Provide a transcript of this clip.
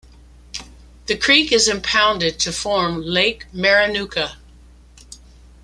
The creek is impounded to form Lake Marinuka.